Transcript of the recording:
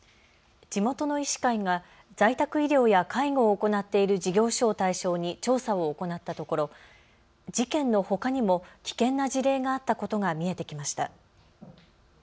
地元の医師会が在宅医療や介護を行っている事業所を対象に調査を行ったところ事件のほかにも危険な事例があったことが見えてきました。